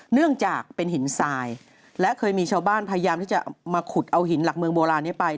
เนื่องจากเป็นหินทรายและเคยมีชาวบ้านพยายามที่จะมาขุดเอาหินหลักเมืองโบราณนี้ไป